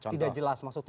tidak jelas maksudnya